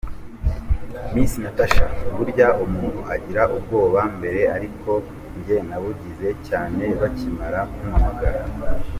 Miss Natacha : Burya umuntu agira ubwoba mbere ariko njye nabugize cyane bakimara kumpamagara.